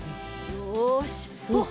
よしおっ！